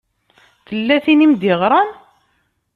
Tella tin i m-d-iɣṛan?